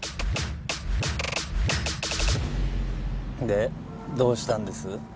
でどうしたんです？